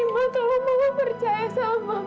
kenapa kamu buat ibu amar marah sama kamu